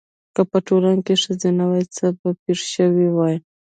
که په ټولنه کې ښځه نه وای څه به پېښ شوي واي؟